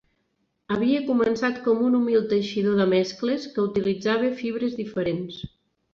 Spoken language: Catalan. Havia començat com un humil teixidor de mescles, que utilitzava fibres diferents.